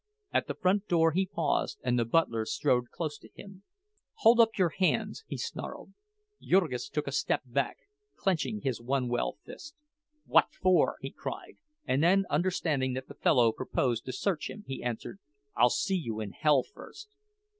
At the front door he paused, and the butler strode close to him. "Hold up your hands," he snarled. Jurgis took a step back, clinching his one well fist. "What for?" he cried; and then understanding that the fellow proposed to search him, he answered, "I'll see you in hell first."